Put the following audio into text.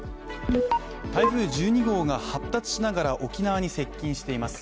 台風１２号が発達しながら沖縄に接近しています。